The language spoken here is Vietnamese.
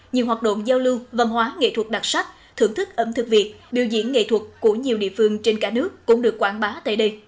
nghệ thuật của nhiều địa phương trên cả nước cũng được quảng bá tại đây